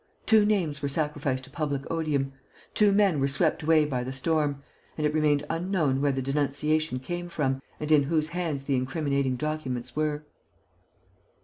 Two names were sacrificed to public odium. Two men were swept away by the storm. And it remained unknown where the denunciation came from and in whose hands the incriminating documents were."